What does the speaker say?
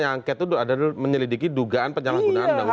angket itu ada menyelidiki dugaan penyalahgunaan undang undang ya